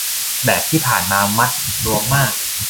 แบบที่ผ่านมามันมัดรวมมาก